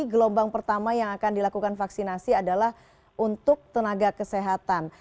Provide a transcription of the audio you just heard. gelombang pertama yang akan dilakukan vaksinasi adalah untuk tenaga kesehatan